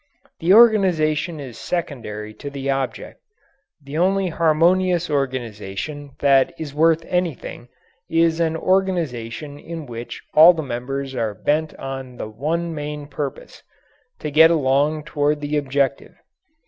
The organization is secondary to the object. The only harmonious organization that is worth anything is an organization in which all the members are bent on the one main purpose to get along toward the objective.